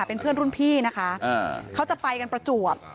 เป็นเพื่อนรุ่นพี่นะคะเขาจะไปกันประจวบ